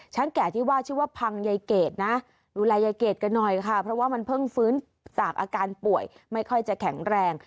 แก่ที่ว่าชื่อว่าพังยายเกดนะดูแลยายเกดกันหน่อยค่ะเพราะว่ามันเพิ่งฟื้นจากอาการป่วยไม่ค่อยจะแข็งแรง